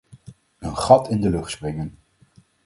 Een gat in de lucht springen.